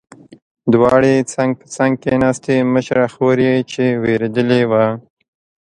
دواړې څنګ په څنګ کېناستې، مشره خور یې چې وېرېدلې وه.